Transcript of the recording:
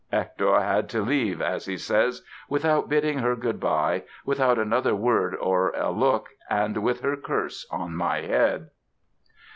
Hector had to leave, as he says, "without bidding her good bye, without another word or a look, and with her curse on my head!"